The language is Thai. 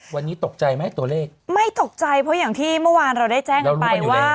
วันนี้ตกใจไหมตัวเลขไม่ตกใจเพราะอย่างที่เมื่อวานเราได้แจ้งกันไปว่า